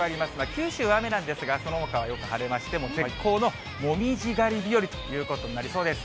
九州は雨なんですが、そのほかはよく晴れまして、絶好のもみじ狩り日和ということになりそうです。